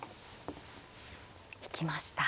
引きました。